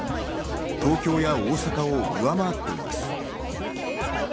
東京や大阪を上回っています。